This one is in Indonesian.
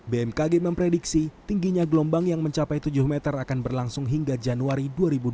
bmkg memprediksi tingginya gelombang yang mencapai tujuh meter akan berlangsung hingga januari dua ribu dua puluh